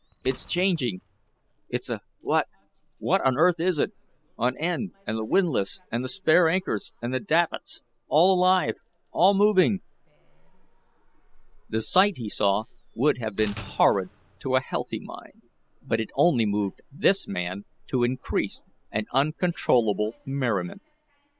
It's changing. It's a what? What on earth is it? On end and the windlass and the spare anchors and the davits all alive all moving." The sight he saw would have been horrid to a healthy mind, but it only moved this man to increased and uncontrollable merriment.